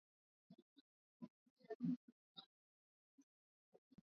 kumi na nneMwanzo maisha Tirana yalikuwa mazuri lakini baada ya miezi nikagundua kwamba